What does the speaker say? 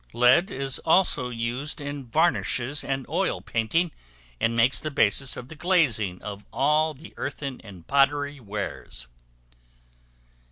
lead is also used in varnishes and oil painting, and makes the basis of the glazing of all the earthen and pottery wares.